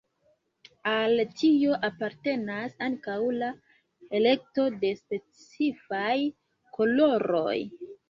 Al tio apartenas ankaŭ la elekto de specifaj koloroj.